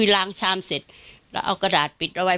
ล้างชามเสร็จแล้วเอากระดาษปิดเอาไว้